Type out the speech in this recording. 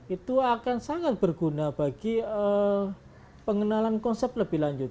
itu akan sangat berguna bagi pengenalan konsep lebih lanjut